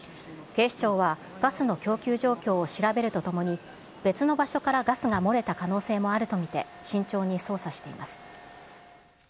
警視庁は、ガスの供給状況を調べるとともに、別の場所からガスが漏れた可能性もあると見て、慎重に捜査しています。